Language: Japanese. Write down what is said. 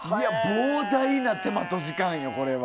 膨大な手間と時間よ、これは。